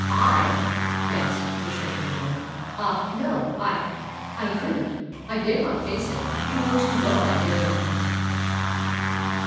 "I!" gasped the shrinking woman. "Ah, no. I I couldn't. I dare not face him. You know too well I dare not!"